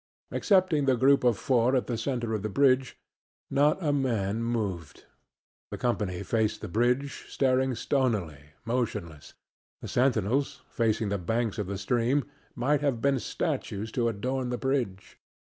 Excepting the group of four at the centre of the bridge, not a man moved. The company faced the bridge, staring stonily, motionless. The sentinels, facing the banks of the stream, might have been statues to adorn the bridge.